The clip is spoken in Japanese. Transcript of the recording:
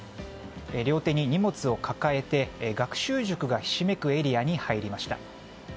両手に荷物を抱えて学習塾がひしめくエリアに入りました。